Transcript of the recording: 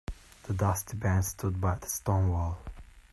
The dusty bench stood by the stone wall.